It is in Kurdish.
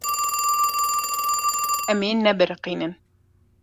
Em ê nebiriqînin.